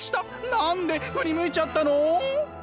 何で振り向いちゃったの？